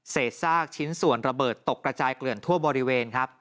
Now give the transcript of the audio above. ซากชิ้นส่วนระเบิดตกกระจายเกลื่อนทั่วบริเวณครับ